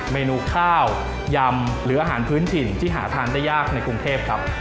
เมนูข้าวยำหรืออาหารพื้นถิ่นที่หาทานได้ยากในกรุงเทพครับ